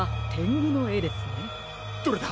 どれだ？